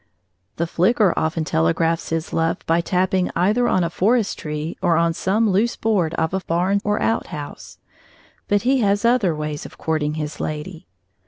The flicker often telegraphs his love by tapping either on a forest tree or on some loose board of a barn or outhouse; but he has other ways of courting his lady.